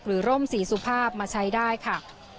ร่มสีสุภาพมาใช้ได้ค่ะ